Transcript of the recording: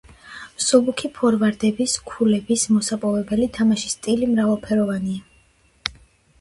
მსუბუქი ფორვარდების ქულების მოსაპოვებელი თამაშის სტილი მრავალფეროვანია.